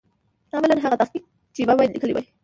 عملاً هغه تحقیق چې ما باید لیکلی وای.